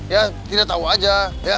ya tidak tahu aja